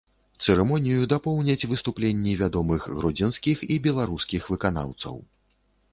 Цырымонію дапоўняць выступленні вядомых гродзенскіх і беларускіх выканаўцаў.